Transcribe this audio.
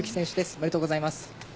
ありがとうございます。